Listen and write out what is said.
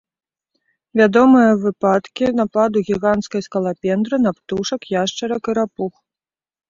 Вядомыя выпадкі нападу гіганцкай скалапендры на птушак, яшчарак і рапух.